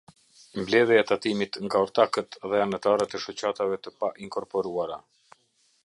Mbledhja e tatimit nga ortakët dhe anëtarët e shoqatave të pa inkorporuara.